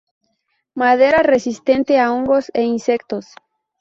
Madera resistente a hongos e insectos.